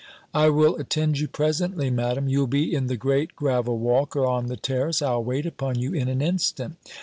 "I will attend you presently, Madam: you'll be in the great gravel walk, or on the terrace. I'll wait upon you in an instant."